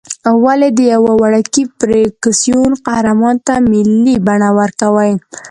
ولې د یوه وړوکي فرکسیون قهرمان ته ملي بڼه ورکوې.